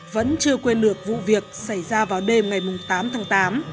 vẫn chưa quên được vụ việc xảy ra vào đêm ngày tám tháng tám